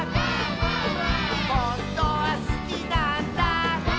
「ほんとはすきなんだ」